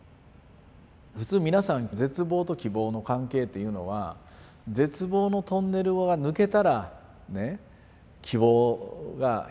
普通皆さん絶望と希望の関係っていうのは絶望のトンネルを抜けたら希望が広がる。